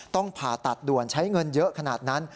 ผ่าตัดด่วนใช้เงินเยอะขนาดนั้น